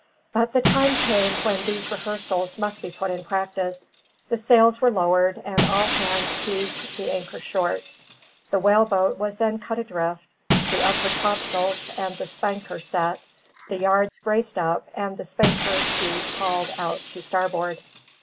But the time came when these rehearsals must be put in practice. The sails were lowered, and all hands heaved the anchor short. The whaleboat was then cut adrift, the upper topsails and the spanker set, the yards braced up, and the spanker sheet hauled out to starboard.